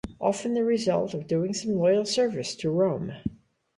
Often the result of doing some loyal service to Rome.